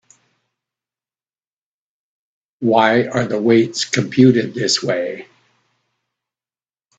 Why are the weights computed this way?